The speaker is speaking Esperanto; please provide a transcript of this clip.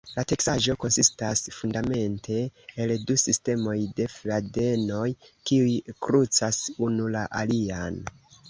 La teksaĵo konsistas fundamente el du sistemoj de fadenoj kiuj krucas unu la alian.